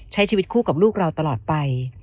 ใช้ชีวิตคู่กับลูกเราตลอดไป